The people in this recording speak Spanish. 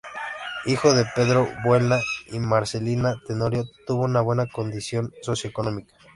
Hijo de Pedro Buelna y Marcelina Tenorio, tuvo una buena condición socioeconómica.